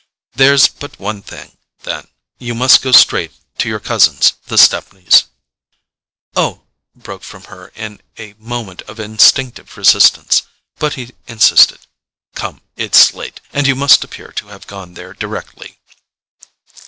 There's but one thing, then; you must go straight to your cousins, the Stepneys." "Oh—" broke from her with a movement of instinctive resistance; but he insisted: "Come—it's late, and you must appear to have gone there directly."